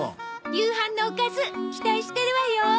夕飯のおかず期待してるわよ。